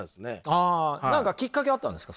あ何かきっかけあったんですか？